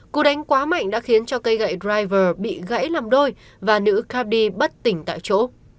cụ đánh quá mạnh đã khiến cho cây gậy driver bị gãy làm đôi và nữ caddy bất tỉnh tại chỗ